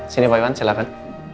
sini pak iwan silahkan